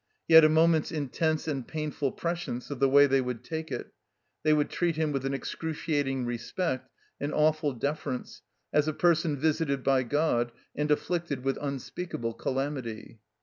He had a moment's intense and painful prescience of the way they would take it; they would treat him with an excruciating respect, an awful deference, as a person visited by God and afflicted with unspeakable calamity.